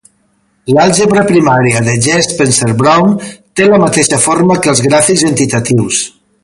L'algebra primària de G. Spencer-Brown té la mateixa forma que els gràfics entitatius.